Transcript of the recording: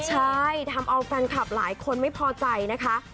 ใช่ทำเอาแฟนคลับหลายคนไม่พอใจนะคะ